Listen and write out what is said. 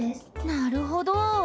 なるほど。